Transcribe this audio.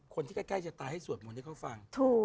คนที่ใกล้จะตายให้สวดมวลที่เขาฟังถูก